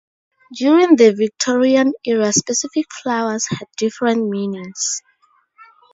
During the Victorian era, specific flowers had different meanings.